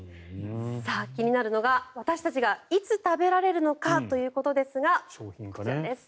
さあ、気になるのが私たちがいつ食べられるのかということですが、こちらです。